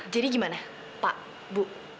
jadi gimana pak bu